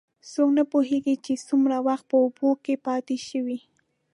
څوک نه پوهېږي، چې څومره وخت په اوبو کې پاتې شوی.